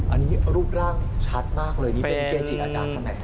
อันนี้รูปร่างชัดมากเลยนี่เป็นเกจิอาจารย์ท่านไหน